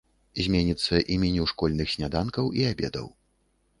Зменіцца і меню школьных сняданкаў і абедаў.